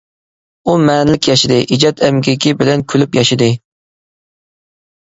ئۇ مەنىلىك ياشىدى، ئىجاد ئەمگىكى بىلەن كۈلۈپ ياشىدى.